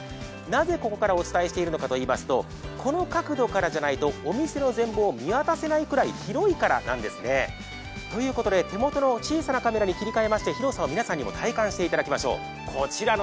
なぜここからお伝えしているのかといいますとこの角度からじゃないとお店の全貌を見渡せないくらい広いからなんですね。ということで手元の小さなカメラに切り替えまして広さを皆さんにも体感していただきましょう。